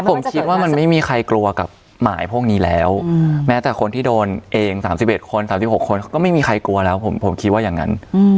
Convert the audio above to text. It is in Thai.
ผมคิดว่ามันไม่มีใครกลัวกับหมายพวกนี้แล้วแม้แต่คนที่โดนเอง๓๑คน๓๖คนก็ไม่มีใครกลัวแล้วผมคิดว่าอย่างนั้น